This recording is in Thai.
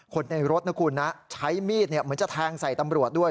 คนในรถนะคุณนะใช้มีดเหมือนจะแทงใส่ตำรวจด้วย